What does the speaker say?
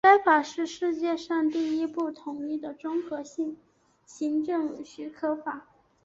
该法是世界上第一部统一的综合性行政许可法。